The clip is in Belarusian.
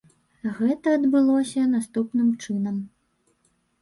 Гэта адбылося наступным чынам.